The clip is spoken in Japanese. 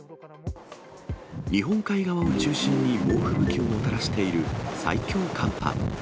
日本海側を中心に猛吹雪をもたらしている最強寒波。